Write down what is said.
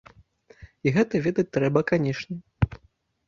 І гэта ведаць трэба канечне.